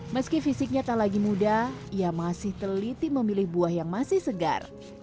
meski fisiknya tak lagi muda ia masih teliti memilih buah yang masih segar